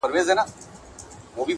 • کبرجن سو ګمراهي ځني کيدله,